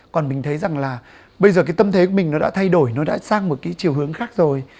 còn mình thấy rằng là bây giờ cái tâm thế của mình nó đã thay đổi nó đã sang một cái chiều hướng khác rồi